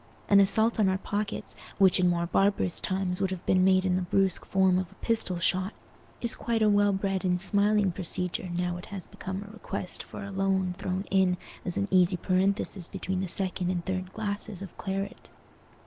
An assault on our pockets, which in more barbarous times would have been made in the brusque form of a pistol shot, is quite a well bred and smiling procedure now it has become a request for a loan thrown in as an easy parenthesis between the second and third glasses of claret.